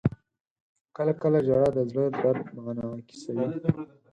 • کله کله ژړا د زړه درد منعکسوي.